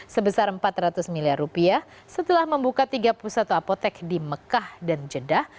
sebesar empat ratus miliar rupiah setelah membuka tiga puluh satu apotek di mekah dan jeddah